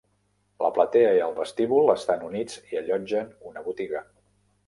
La platea i el vestíbul estan units i allotgen una botiga.